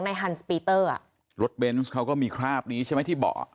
ในบี้นฟาร์ทบริฤสุทธิ์เขาก็มีคราบนี้ใช่ไหมที่บอก